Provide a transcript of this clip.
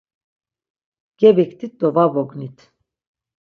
Gebiktit do var bognit.